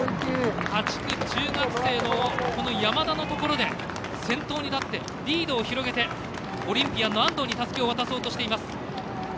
８区、中学生の山田のところで先頭になってリードを広げてオリンピアンの安藤にたすきを渡そうとしています。